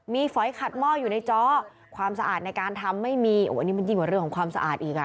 มีฝอยขัดหม้ออยู่ในจอความสะอาดในการทำไม่มีอันนี้มันยิ่งกว่าเรื่องของความสะอาดอีกอ่ะ